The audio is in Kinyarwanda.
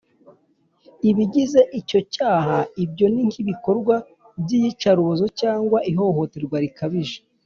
Ibigize icyo cyaha ibyo ni nk’ibikorwa by’iyicarubozo cyangwa ihohoterwa rikabije